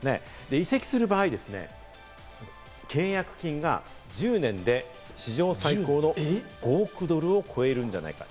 移籍する場合、契約金が１０年で史上最高の５億ドルを超えるんじゃないかと。